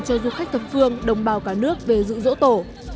cho du khách thập phương đồng bào cả nước về dự dỗ tổ